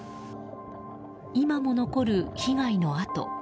今も残る被害の跡。